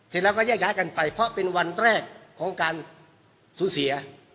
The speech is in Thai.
เสร็จแล้วก็แยกย้ายกันไปเพราะเป็นวันแรกของการสูญเสีย